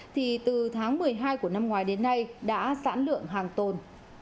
thì từ tháng một mươi hai của năm ngoái đến nay đã giãn lượng hàng tồn